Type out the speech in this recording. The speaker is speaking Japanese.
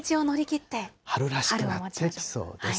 春らしくなってきそうです。